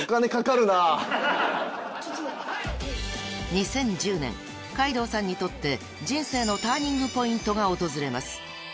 ［２０１０年海堂さんにとって人生のターニングポイントが訪れます］